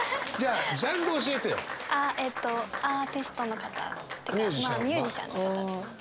あえっとアーティストの方。というかまあミュージシャンの方です。